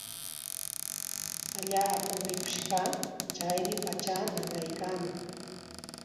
Allaapam mikush kaa. Chaymi pachaa nanaykaaman.